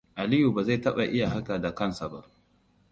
Aliyu bazai taba iya haka da kansa ba.